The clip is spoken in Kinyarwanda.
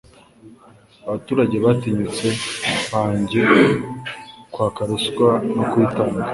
Abaturage batinyuke bange kwaka ruswa no kuyitanga.